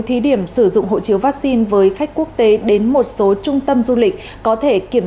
thí điểm sử dụng hộ chiếu vaccine với khách quốc tế đến một số trung tâm du lịch có thể kiểm